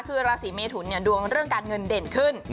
คือราศีเมทุนดวงเรื่องการเงินเด่นขึ้น